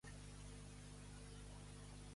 En aquest moment quina tonada està posada?